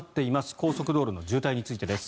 高速道路の渋滞についてです。